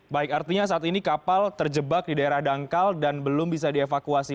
baik artinya saat ini kapal terjebak di daerah dangkal dan belum bisa dievakuasi